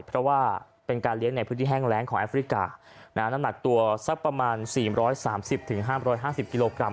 เพราะว่าเป็นการเลี้ยงในพื้นที่แห้งแรงของแอฟริกานะน้ำหนักตัวสักประมาณสี่ร้อยสามสิบถึงห้ามร้อยห้าสิบกิโลกรัม